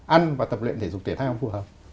ăn và tập luyện thể dục thể thao phù hợp